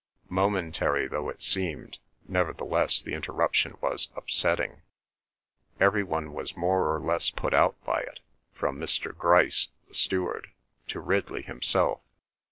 Momentary though it seemed, nevertheless the interruption was upsetting; every one was more or less put out by it, from Mr. Grice, the steward, to Ridley himself.